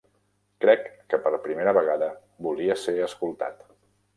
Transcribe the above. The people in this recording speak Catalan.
Crec que per primera vegada volia ser escoltat.